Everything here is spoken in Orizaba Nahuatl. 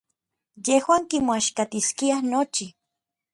Yejuan kimoaxkatiskiaj nochi.